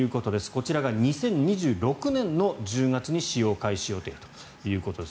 こちらが２０２６年の１０月に使用開始予定ということです。